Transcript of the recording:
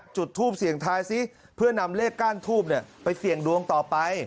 จุดทูปเสี่ยงทายซิเพื่อนำเลขก้านทูบไปเสี่ยงดวงต่อไป